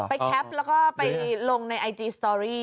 แคปแล้วก็ไปลงในไอจีสตอรี่